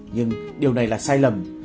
nhưng điều này là sai lầm